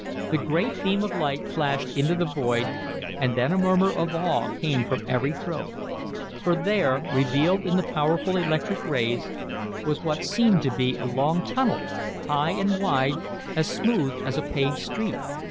The great beam of light flashed into the void, and then a murmur of awe came from every throat. For there, revealed in the powerful electrical rays, was what seemed to be a long tunnel, high and wide, as smooth as a paved street.